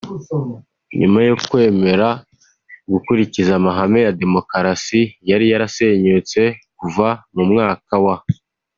nyuma yo kwemera gukurikiza amahame ya demokarasi yari yarasenyutse kuva mu mwaka w’